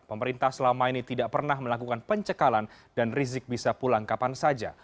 pemerintah selama ini tidak pernah melakukan pencekalan dan rizik bisa pulang kapan saja